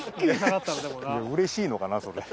れしいのかな？